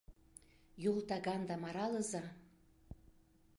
Йол тагандам аралыза!